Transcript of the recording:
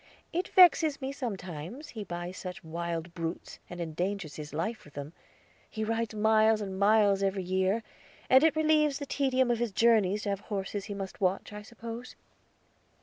It vexes me sometimes, he buys such wild brutes, and endangers his life with them. He rides miles and miles every year; and it relieves the tedium of his journeys to have horses he must watch, I suppose."